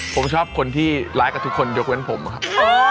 ผมชอบคนที่ร้ายกับทุกคนยกเว้นผมครับ